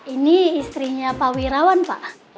ini istrinya pak wirawan pak